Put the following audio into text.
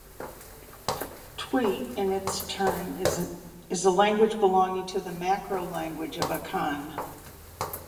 Twi in its turn is a language belonging to the macrolanguage of Akan.